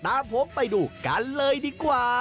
ตามผมไปดูกันเลยดีกว่า